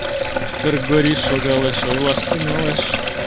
Кыргорий шогалеш, ойлаш тӱҥалеш.